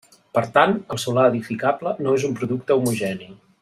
Per tant, el solar edificable no és un producte homogeni.